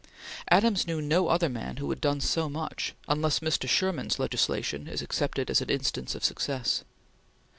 Adams knew no other man who had done so much, unless Mr. Sherman's legislation is accepted as an instance of success.